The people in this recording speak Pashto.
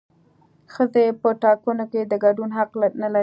ښځې په ټاکنو کې د ګډون حق نه لري